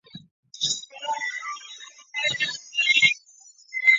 许仕仁是香港赛马会会员等。